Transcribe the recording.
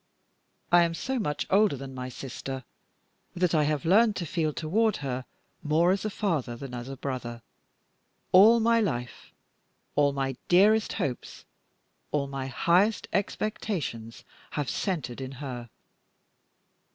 I am so much older than my sister that I have learned to feel toward her more as a father than as a brother. All my life, all my dearest hopes, all my highest expectations, have centered in her.